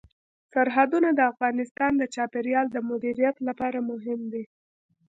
سرحدونه د افغانستان د چاپیریال د مدیریت لپاره مهم دي.